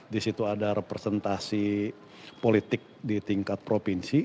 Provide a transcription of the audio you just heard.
disitu ada representasi politik di tingkat provinsi